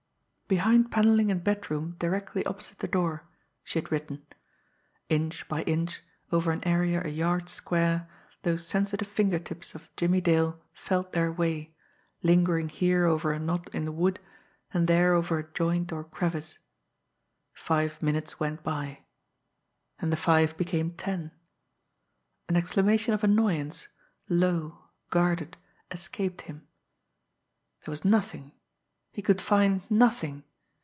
"Behind panelling in bedroom directly opposite the door," she had written. Inch by inch, over an area a yard square, those sensitive finger tips of Jimmie Dale felt their way, lingering here over a knot in the wood, and there over a joint or crevice. Five minutes went by and the five became ten. An exclamation of annoyance, low, guarded, escaped him. There was nothing he could find nothing.